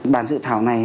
bản dự thảo này